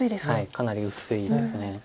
かなり薄いです。